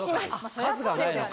そりゃそうですよね